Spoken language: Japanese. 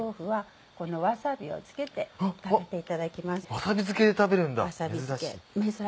わさび漬けで食べるんだ珍しい。